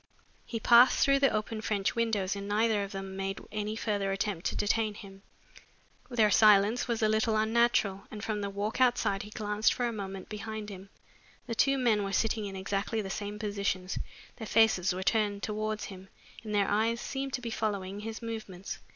He passed through the open French windows and neither of them made any further attempt to detain him. Their silence was a little unnatural and from the walk outside he glanced for a moment behind him. The two men were sitting in exactly the same positions, their faces were turned towards him, and their eyes seemed to be following his movements.